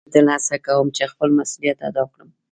زه تل هڅه کؤم چي خپل مسؤلیت ادا کړم.